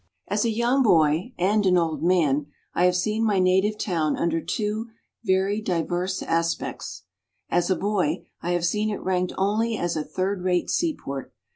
As a young boy and an old man I have seen my native town under two very diverse aspects. As a boy, I have seen it ranked only as a third rate seaport.